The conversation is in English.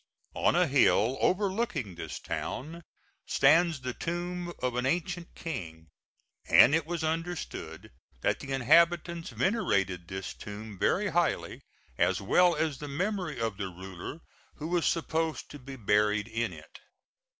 On a hill overlooking this town stands the tomb of an ancient king; and it was understood that the inhabitants venerated this tomb very highly, as well as the memory of the ruler who was supposed to be buried in it.